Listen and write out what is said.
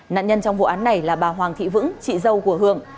nạn nhân trong vụ án này là bà hoàng thị vững chị dâu của hường